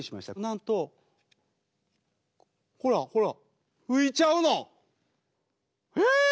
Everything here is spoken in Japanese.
なんとほらほら浮いちゃうの。え！